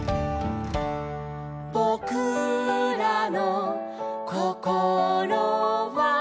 「ボクらのこころは」